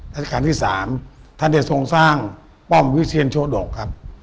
ธัตริกาลที่๓ท่านเดชงสร้างป้อมวิเศียนโชดกครับ